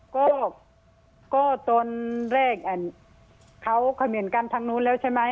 ก็ก็ต้นแรกแอ่นเขาเข้าเหมือนกันทั้งนู้นแล้วใช่ไหม